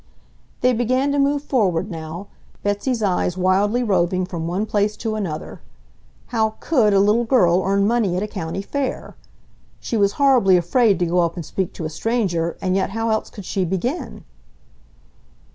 They began to move forward now, Betsy's eyes wildly roving from one place to another. How COULD a little girl earn money at a county fair! She was horribly afraid to go up and speak to a stranger, and yet how else could she begin?